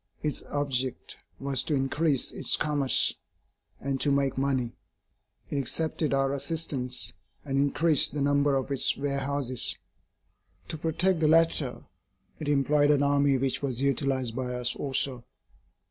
Its object was to increase its commerce, and to make money. It accepted our assistance, and increased the number of its warehouses. To protect the latter it employed an army which was utilised by us also.